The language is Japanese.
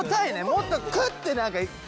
もっとクッて何かガッて。